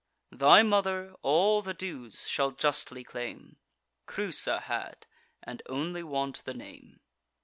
Thy mother all the dues shall justly claim, Creusa had, and only want the name.